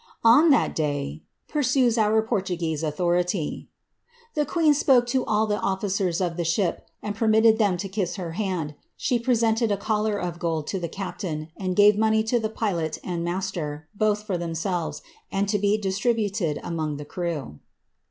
<* On that day,^ pursues our Portuguese authority, ^ the queen spoke to aU the officers of the ship, and permitted them to kiss her hand ; she presented a collar of gold to the captain, and gave money to the pilot and master, both for themselves, and to be distributed among the crew.''